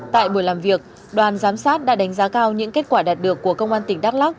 tại buổi làm việc đoàn giám sát đã đánh giá cao những kết quả đạt được của công an tỉnh đắk lắc